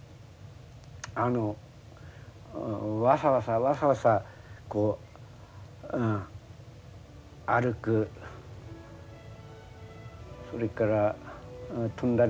あのわさわさわさわさこう歩くそれから飛んだり。